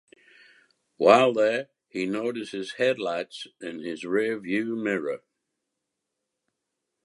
While there he notices headlights in his rear view mirror.